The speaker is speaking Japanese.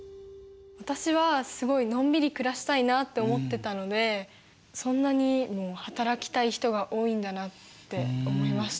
私はすごいのんびり暮らしたいなと思ってたのでそんなにも働きたい人が多いんだなって思いました。